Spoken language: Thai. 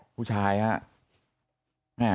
ผู้ชายฮะ